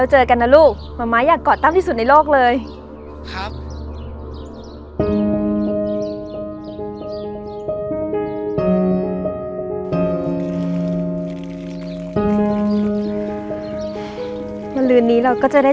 จนถึงวันนี้มาม้ามีเงิน๔ปี